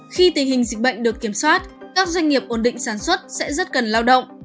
khi tình hình dịch bệnh được kiểm soát các doanh nghiệp ổn định sản xuất sẽ rất cần lao động